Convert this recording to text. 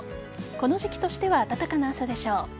この時期としては暖かな朝でしょう。